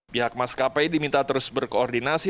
pihak maskapai diminta terus berkoordinasi